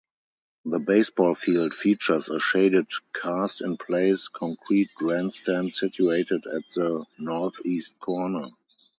The baseball field features a shaded cast-in-place concrete grandstand situated at the Northeast corner.